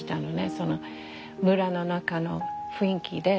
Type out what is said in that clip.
その村の中の雰囲気で。